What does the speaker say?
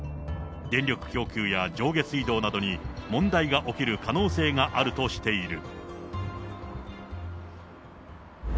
電力供給や上下水道などに問題が起きる可能性があるとしている。